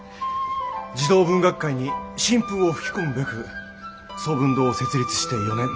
児童文学界に新風を吹き込むべく聡文堂を設立して４年。